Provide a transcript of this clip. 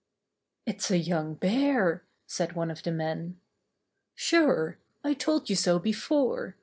"It's a young bear!" said one of the men. "Sure! I told you so before.